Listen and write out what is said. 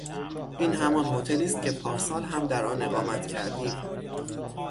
این همان هتلی است که پارسال هم در آن اقامت کردیم.